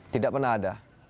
tidak pernah ada